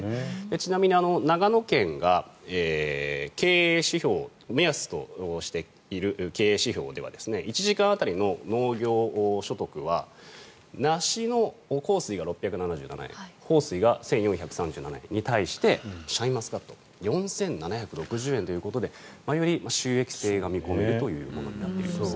ちなみに長野県が目安としている経営指標では１時間当たりの農業所得は梨の幸水が６７７円豊水が１４３７円に対してシャインマスカットは４７６０円ということでより収益性が見込めるものになっています。